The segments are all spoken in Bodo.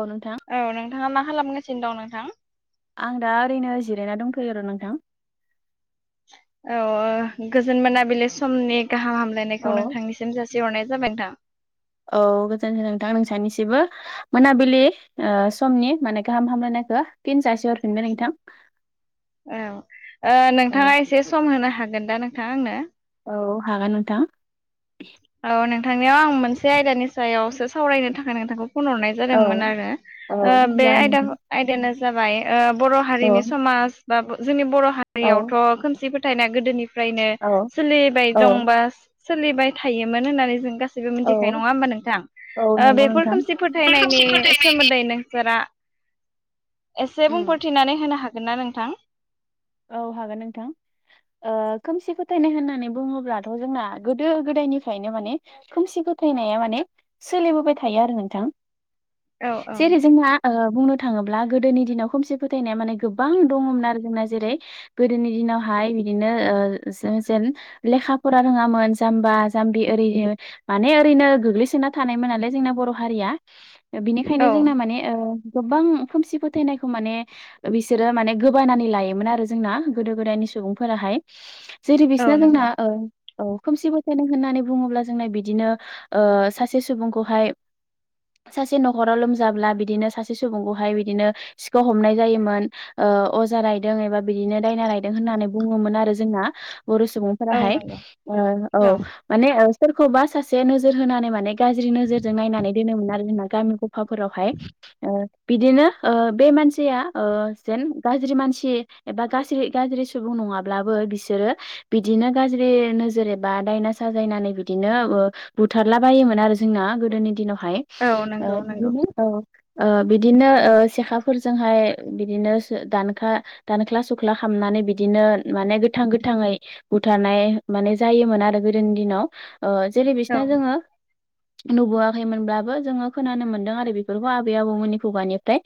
औ नोंथां। औ नोंथाङा मा खालामगासिनो दं नोंथां? आं दा ओरैनो जिरायना दंथ'यो आरो' नोंथां। औ ओ गोजोन मोना बिलि समनि गाहाम औ हामलायनायखौ नोंथांनिसिम जासि हरनाय जाबाय नोंथां। औ गोजोनथों नोंथां नोंसानिसिबो मोनाबिलि ओ समनि माने गाहाम हामलायनाय फिन जासे हरफिनबाय नोंथां। औ ओ औ नोंथाङा एसे सम होनो हागोन दा नोंथां आंनो? औ हागोन नोंथां। औ नोंथांनियाव आं मोनसे आयदानि सायावसो सावरायनो थाखाय नोंथांखौ फन हरनाय औ जादोंमोन आरो औ ओ बे जागोन नोंथां आयदा-आयदायानो जाबाय ओ बर' औ हारिनि समाज बा जोंनि बर' औ हारियावथ' ओ खोमसि फोथायनाया गोदोनि फ्रायनो औ सोलिबाय औ दंबा सोलिबाय थायोमोन होननानै जों गासै गासिबो मिथिखानाय औ नङा होमबा नोंथां? औ नंगौ बेफोर नोंथां। खोमसि फोथायनायनि खोमसि फोथायनायनि सोमोन्दै नोंसोरा एसे उम बुंफोरथिनानै होनो हागोन ना नोंथां? औ हागोन नोंथां। ओ खोमसि फोथायनाय होननानै बुङोब्लाथ' जोंना गोदो गोदाय निफ्रायनो माने खोमसि फोथायनाया माने सोलिबोबाय थायो आरो नोंथां। औ औ जैरै जोंहा ओ बुंनो थाङोब्ला गोदोनि दिनाव खोमसि फोथायनाया माने गोबां दङमोन आरो जोंना। जेरै गोदोनि दिनावहाय बिदिनो ओ जों जेन लेखा फरा रोङामोन जामबा जा जाम्बि ओरै हो माने ओरैनो गोग्लैसोना थानायमोन नालाय जोंना बर' हारिया। बिनिखायनो औ जोंना माने ओ गोबां खोमसि फोथायनायखौ माने बिसोरो माने गोबानानै लायोमोन आरो। जोंना गोदो गोदायनि सुबुंफोराहाय जेरै औ बिसना जोंना नंगौ ओ औ खोमसि फोथायनाय होननानै बुङोब्ला जोंना बिदिनो ओ सासे सुबुंखौहाय सासे नखराव लोमजाब्ला बिदिनो सासे सुबुंखौहाय बिदिनो सिखाव हमनाय जायोमोन ओ ओ अजा रायदों एबा बिदिनो दायना रायदों होननानै बुङोमोन आरो जोंना बर औ सुबुंफोराहाय नंगौ ओ औ माने सोरखौबा सासे नोजोर होनानै माने गाज्रि नोजोरजों नायनानै दोनोमोन आरो जोंना गामिखौ फावफोरावहाय ओ बिदिनो ओ बे मानसिया ओ जेन गाज्रि मानसि एबा गाज्रि गाज्रि सुबुं नङाब्लाबो बिसोरो बिदिनो गाज्रि नोजोर एबा दायना सा साजायनानै बिदिनो ओ बुथारला बायोमोन आरो जोंना गोदोनि दिनाव हाय औ ओ नंगौ नंगौ बिदिनो औ ओ बिदिनो ओ सेखाफोरजोंहाय बिदिनो सो दानखा दानख्ला सुख्ला खालामनानै बिदिनो माने गोथां गोथाङै बुथारनाय माने जायोमोन आरो गोदोनि दिनाव ओ जेरै औ बिसिना जोङो नुबोयाखैमोनब्लाबो जोङो खोनानो मोनदों आरो बेफोरखौ आबै आबौमोननि खुगानिफ्राय।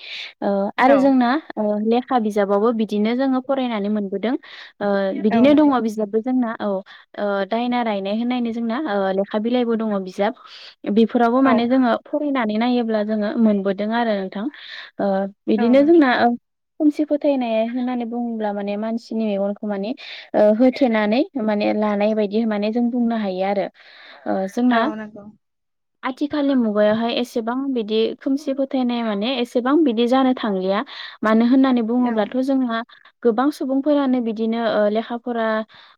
ओ आरो औ जोंना ओ लेखा बिजाबावबो बिदिनो जोङो फरायनानै मोनबोदों। ओ औ बिदिनो दङ नंगौ बिजाबबो जोंना औ ओ दायना रायनाय होननायनै जोंना ओ लेखा बिलाइबो दङ बिजाब। बेफोरावबो औ माने जोङो फरायनानै नायोब्ला जोङो मोनबोदों आरो नोंथां। ओ औ बिदिनो नंगौ जोंना खोमसि फोथायनाय होननानै बुङोब्ला माने मानसिनि मेगनखौ माने होथेनानै माने लानाय बायदि माने जों बुंनो हायो आरो ओ औ जोंना नोंगौ। आथिखालनि मुगायावहाय एसेबां बिदि खोमसि फोथायनाय माने एसेबां बिदि जानो थांलिया। मानो होननानै औ बुङोब्ला जोंहा गोबां सुबुंफोरानो बिदिनो ओ लेखा फरा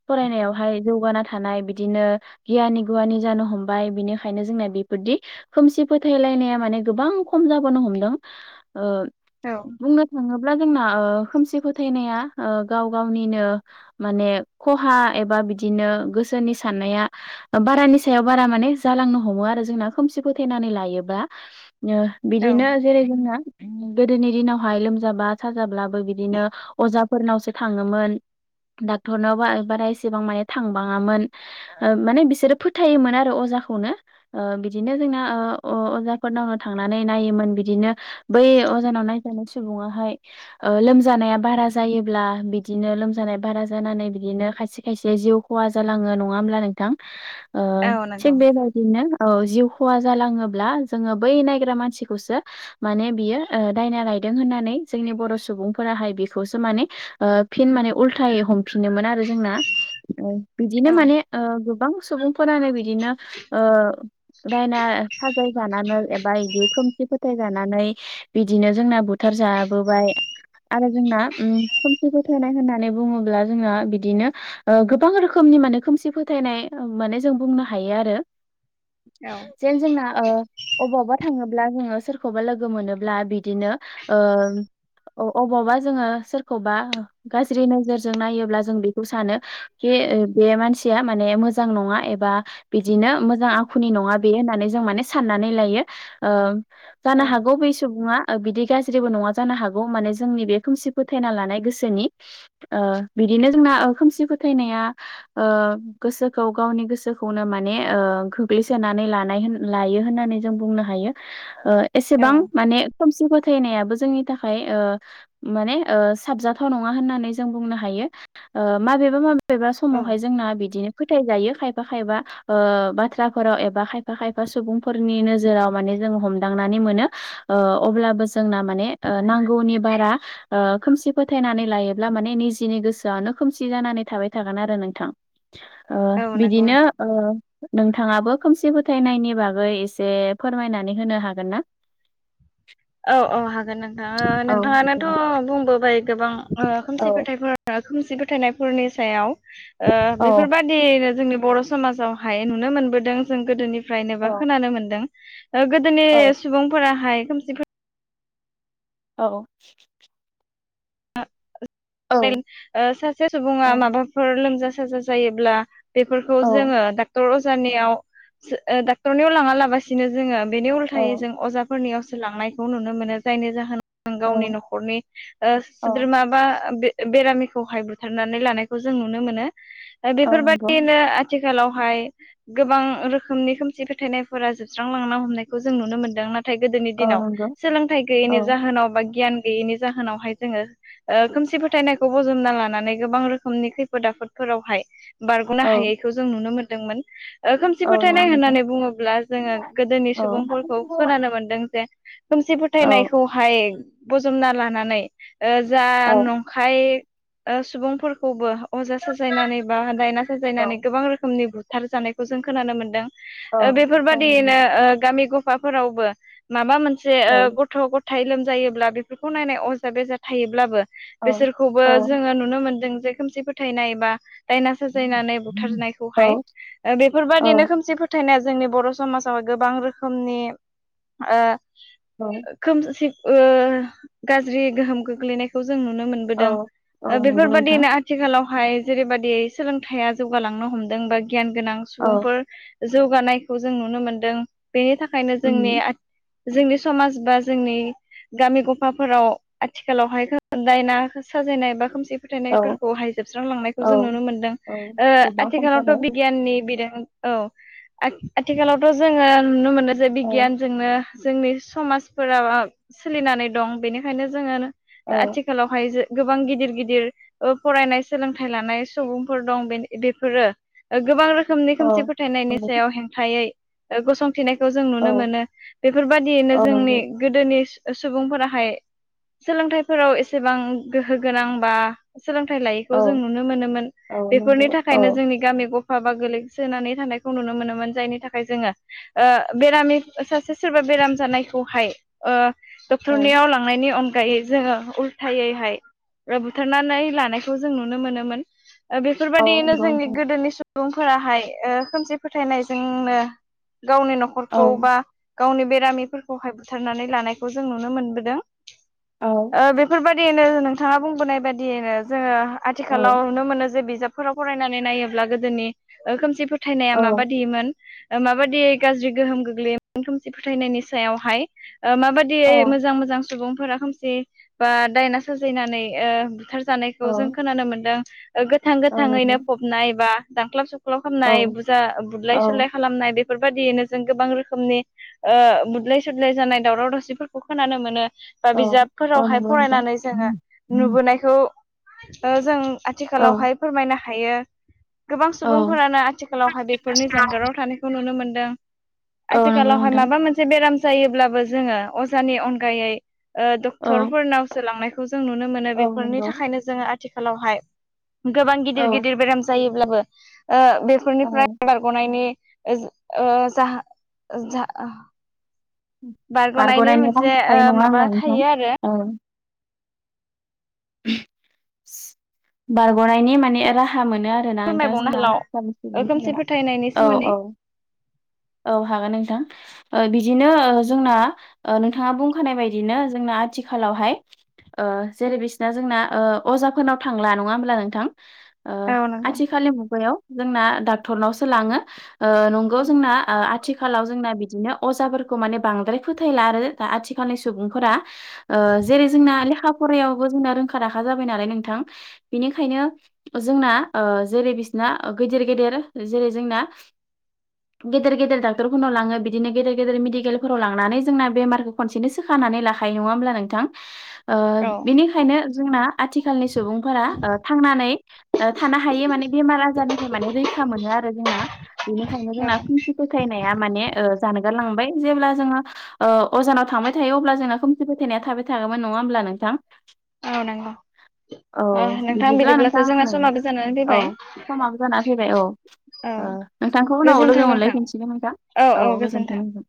फरायनायावहाय जौगाना थाना य बिदिनो गियानि गुवानि जानो हमबाय बिनिखायनो जोंना बेफोरदि खोमसि फोथायलायना या माने गोबां खम जाबोनो हमदों ओ औ बुंनो थाङोब्ला जोंना ओ खोमसि फोथायनाया ओ गाव गावनिनो माने खहा एबा बिदिनो गोस सोनि साननाया ओ बारानि सायाव बारा माने जालांनो हमो आरो जोंना खोमसि फोथायनानै लायोबा [inaudible] ओ औ बिदिनो जेरै जोंना गोदोनि दिनावहाय लोमजाबा साजाब्लाबो बिदिनो अजाफोरनावसो थाङोमोन। डाक्टरनाव बा बारा एसेबां माने थांबाङामोन ओ माने बिसोरो फोथायोमोन आरो अ जाखौनो ओ बिदिनो जोंना ओ अ अजाफोरनावनो थांनानै नायोमोन बिदिनो बै यै अजानाव नायजानाय सुबुङाहाय ओ लोम जानाया बारा जायोब्ला बिदिनो लोमजानाया बारा जानानै बिदिनो खायसे खायसे जिउ खहा जालां ओ नङा होनब्ला नोंथां ओ औ थिग नंगौ बेबायदिनो औ जिउ खहा जालाङोब्ला जोङो बै नायग्रा मानसिखौसो माने बियो दायना राय दों होननानै जोंनि बर सुबुं फोराहाय बिखौसो माने ओ फिन माने उल्थायै हमफिनोमोन आरो जोंना बिदिनो औ माने ओ गोबां सुबुंफोरानो बिदिनो ओ दायना साजाय जानानै एबा इदि खोमसि फोथायजानानै बिदिनो जोंना बुथार जाबोबाय आरो जोंना ओम खोमसि फोथायनाय होननानै बुङोब्ला जोंना बिदिनो ओ गोबां रोखोमनि माने खोमसि फोथायनाय माने जों बुंनो हायो आरो। औ जेन जोंना ओ अबावबा थाङोब्ला जोङो सोरखौबा लोगो मोनोब्ला बिदिनो ओम औ अबावबा जोङो सोरखौबा गाज्रि नोजोरजों नायोब्ला जों बेखौ सानो खि ओ बे मानसिया माने मोजां नङा एबा बिदिनो मोजां आखुनि नङा बे होननानै जों माने सानना नानै लायो ओ औ जानोहागौ बै सुबुंआ ओ बिदि गाज्रिबो नङा जानो हागौ माने जोंनि बे खोमसि फोथायना लानाय गोसोनि ओ बिदिनो जोंना खोमसि फोथायनाया ओ गोसोखौ गावनि गोसोखौनो माने ओ गोग्लैसोनानै लानाय लायो होन नानै जों बुंनो हायो ओ एसेबां औ माने खोमसि गथायनायाबो जोंनि थाखाय ओ माने ओ साबजाथाव नङा होननानै जों बुंनो हायो ओ माबेबा माबेबा समाव हाय औ जोंना बिदिनो फोथायजायो खायफा खायफा ओ बाथ्राफोराव एबा खायफा खायफा सुबुंफोर। नि नोजोराव माने जों हमदांनानै मोनो ओ अब्लाबो जोंना माने ओ नांगौनि बारा ओ खोमसि फोथायनानै लायोब्ला माने निजिनि गोसोआनो खोमसि जानानै थाबाय थागोन आरो नोंथां ओ औ नंगौ बिदिनो नोंथां ओ नोंथाङाबो खोमसि फोथायनायनि बागै एसे फोरमायनानै होनो हागोन ना औ औ हागोन नोंथां ओ औ नों ओ नोंथ' बुंबोबाय गोबां ओ औ खोमसिथायफोर खोमसि फोथायनायफोरनि सायाव। ओ औ बेफोरबायदिनो जोंनि बर' समाजावहाय नुनो मोनबोदों जों गोदोनि औ फ्रायनोबा खोनानो मोन्दों। गोदोनि औ सुबुंफोराहाय खोमसिफो औ। औ ओ सासे सुबुङा माबाफोर लोमजा साजा जायोब्ला बेफोरखौ औ जोङो डाक्टर अजानियाव डाक्टरनियाव लाङा लाबसिनो जोङो बेनि उल्थायै औ जों अजाफोरनियावसोलांनायखौ नुनो मोनो जायनि जाहोनाव गावनि न'खरनि ऐ औ सोद्रोमा बा बे बेरामिखौहाय बुथारनानै लानायखौ जों नुनो मोनो औ नंगौ बेफोरबायदिनो आथिखा लावहाय गोबां रोखोमनि खोमसि फोथायनायफोरा जोबस्रांलांना हमनायखौ जों नुनो मोनदों नाथ थाय गोदोनि औ दिनाव नंगौ सोलोंथाइ औ गैयैनि जाहोनाव बा गियान गैयैनि जाहोनावहाय जोङो ओ खोमसि फो थायनायखौ बजबना लानानै गोबां रोखोमनि खैफोद आफोदफोरावहाय बारग'नो औ हायैखौ जों नुनो मोनो मोन दोंमोन ओ खोमसि औ नंगौ फोथायनाय नोंथां होननानै बुङोब्ला जोङो गोदोनि औ सुबुंफोरखौ खोनानो मोनदों जे खोमसि औ फोथायनायखौहाय बजबना लानानै ओ जा औ औ नं खाय ओ सुबुंफोरखौबो अजा साजायनानै बा दायना साजायनानै औ औ नंगौ गोबां रोखोमनि बुथार जानायखौ जों खोनानो मोनदों। औ ओ बेफोरबायदियैनो ओ गामि गुफाफोरावबो माबा मोनसे औ गथ' गथ' थाय लोमजायोब्ला बेफोरखौ नायनाय अजा बेजा थायोब्लाबो बिसोरखौबो जोङो नुनो मोनदों जे खोमसि फोथायनायबा दायना सजायनानै बुथारनायखौहाय बेफोरबायदिनो खोमसि फोथायनाया जोंनि बर' समाजाव गोबां रोखोमनि ओ औ खोमसि ओ गाज्रि गोहोम गोग्लैनायखौ जों नुनो मोनबोदों औ नंगौ नोंथां बेफोरबायदिनो आथिखालाव हाय जेरैबादि सोलोंथाइया जौगालांनो हमदों बा गियान गोनां औ सुबुंफोर जौगानायखौ जों नुनो मोनदों बेनि थाखायनो जोंनि उम आ जोंनि समाज बा जोंनि गामि गफाफोराव आथिखालावहाय दायनाखो साजायनाय बा खोमसि औ फोथायनायफोरखौहाय जोबस्रांलांनायखौ औ जों नुनो मोनदों औ ओ गोबां खम आथिखालावथ' जाबाय बिगियाननि बिद औ आथिखालावथ' जोङो नुनो मोनो जे औ बिगियानजोंनो जोंनि समाजफोरा सोलिनानै दं बेनिखायनो जोङो औ आथिखालावहाय गोबां गिदिर गिदिर फरायनाय सोलोंथाइ लानाय सुबुंफोर दं बेफोरो गोबां रोखोम खोमनै औ खोमसि फोथायनायनि नंगौ सायाव हेंथायै गसं थिनायखौ जों औ नुनो मोनो बेफोरबायदियैनो औ जोंनि नंगौ गोदोनि सुबुंफोराहाय सोलोंथाइफोराव एसेबां गोहो गोनां बा सोलोंथाइ लायैखौ औ जों नुनो मोनोमोन औ बेफोरनि नंगौ औ थाखायनो जोंनि गामि ग बा गोलैसोनानै थानायखौ नुनो मोनोमोन जायनि थाखाय जोङो ओ बेरामि सासे सोरबा बेराम जानायखौहाय ओ औ डक्टरनियाव लांनायनि अनगायै जोङो उल्थायैहाय बुथारनानै लानायखौ जों नुनो मोनोमोन। औ बेफोरबादियैनो नंगौ जोंनि नोंथां गोदोनि सुबुंफोराहाय ओ खोमसि फोथायनायजोंनो गावनि औ न'खरखौ बा गावनि बेरामिफोरखौहाय बुथारनानै लानायखौ जों नुनो मोनबोदों। औ ओ बेफोरबायदियैनो नोंथाङा बुंबोनाय बादियैनो जोङो औ आथिखालाव नुनो मोनो जे बिजाब फोराव फरायनानै नायोब्ला गोदोनि खोमसि फोथायनाया औ माबादिमोन माबादियै गाज्रि गोहोम गोग्लैयोमोन खोमसि फोथायनायनि सायावहाय माबादियै औ मोजां मोजां सुबुंफोरा खोमसे बा दायना साजिनानै बुथार जानायखौ जों औ खोनानो मोनदों गोथां औ नंगौ गोथाङैनो फबनाय बा दानख्लाब सुख्ला औ खालामनाय बुरजा औ बुलाय सुलाय खालामनाय बे बेफोरबादियैनो जों गोबां रोखोमनि ओ बुदलाय सुदलाय जानाय दावराव दावसिफोरखौ खोनानो मोनो। औ औ रावहाय नंगौ नोंथां फरायनानै जोङो नुबोनायखौ ओ जों औ आथिखालावहाय फोरमायनो हायो। गोबां औ सुबुंफोरानो आथिखालावहाय बेफोरनि जानगाराव थानायखौ नुनो मोनदों। औ नंगौ आथिखालावहाय नोंथां माबा मोनसे बेराम जायोब्लाबो जोङो अजानि अनगायै ओ औ टरफोरनाव सोलांनायखौ जों नुनो मोनो औ बेफोरनि नंगौ थाखायनो जोङो आथिखालावहाय गोबां औ गिदिर गिदिर बेराम जायोब्लाबो ओ औ बेफोरनिफ्राय बारग'नायनि ओ जा ओ जा‌ जा बारग'नायनि राहा मोनसे थायो ओ नङा माबा होमब्ला नोंथां थायो आरो। औ बारग'नायनि माने राहा हा मोनो आरोना नोंथां फोरमायबावनो आथिखालाव खोमसि जोंहा फोथायनायनि [inaudible] औ सोमोन्दै औ औ हागोन नोंथां बिदिनो जोंना नोंथाङा बुंखानाय बायदिनो जोंना आथिखालावहाय ओ जेरै बिसिना जोंना ओ अजाफोरनाव थांला नङा होमब्ला नोंथां? ओ औ नंगौ आथिखालनि मुगायाव जोंना डक्टरनावसो लाङो ओ नंगौ जोंना आ आथिखालाव जोंना बिदिनो अजाफोरखौ माने बांद्राय फोथायला आरो दा आथिखालनि सुबुंफोरा। ओ जेरै जोंना लेखा फरायावबो जोंना रोंखा राखा जाबाय नालाय नोंथां बिनिखायनो जोंना ओ जेरै बिस गेदेर गेदेर जेरै जोंना [inaudible] गेदेर गेदेर डक्टरनाव लाङो बिदिनो गेदेर गेदेर मेडिकेलफोराव लांनानै जोंना बेमारखौ खनसेनो सोखानानै लाखायो नङा होनब्ला नोंथां? ओ औ बिनिखायनो जोंना आथिखालनि सुबुंफोरा ओ थांनानै थानो हायो माने बेमार आजारनिफ्राय माने रैखा मोनो आरो जोंना बेनिखायनो औ जोंना खोमसि फोथायनाया माने ओ जानगारलांबाय जेब्ला जोङो अजानाव थांबाय थायो अब्ला जोंना खोमसि फोथायनाया थाबाय थागौमोन नङा होमब्ला नोंथां? औ नंगौ। औ ओ नोंथां बिदिब्ला बिदिब्लाथ' नोंथां जोंना आङो समाबो जानानै औ फैबाय समाबो जाना फैबाय औ। औ ओ नोंथांखौ उनाव गोजोन्थों लोगो नोंथां मोनलायफिनसिगोन नोंथां औ गोजोनथों